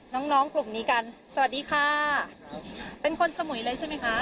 น้องน้องกลุ่มนี้กันสวัสดีค่ะเป็นคนสมุยเลยใช่ไหมคะ